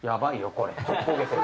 これ。